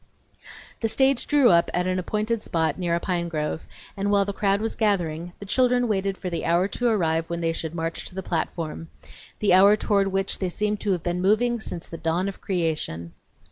The stage drew up at an appointed spot near a pine grove, and while the crowd was gathering, the children waited for the hour to arrive when they should march to the platform; the hour toward which they seemed to have been moving since the dawn of creation.